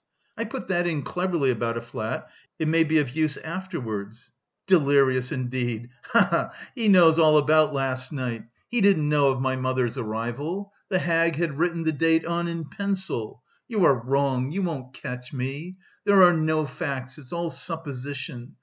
I put that in cleverly about a flat, it may be of use afterwards.... Delirious, indeed... ha ha ha! He knows all about last night! He didn't know of my mother's arrival! The hag had written the date on in pencil! You are wrong, you won't catch me! There are no facts... it's all supposition!